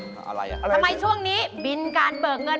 ทำไมช่วงนี้บินการเบิกเงิน